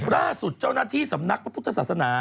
ล่าสุดเจ้าหน้าที่สำนักพระพุทธศาสนา